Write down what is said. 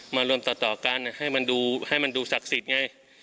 มารวมต่อกันให้มันดูศักดิ์สิทธิ์ไง